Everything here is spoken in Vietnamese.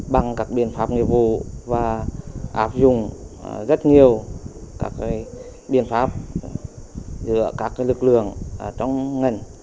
bằng các biện pháp nghiệp vụ và áp dụng rất nhiều các biện pháp giữa các lực lượng trong ngành